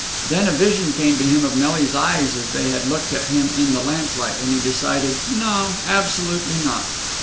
Then a vision came to him of Nelly's eyes as they had looked at him in the lamp light, and he decided no, absolutely not.